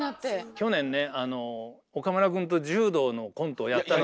去年ねあの岡村くんと柔道のコントをやったのよ。